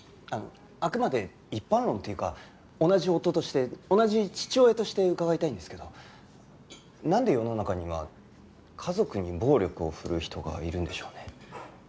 あくまで一般論というか同じ夫として同じ父親として伺いたいんですけどなんで世の中には家族に暴力を振るう人がいるんでしょうね？